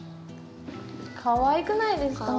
かわいくないですか？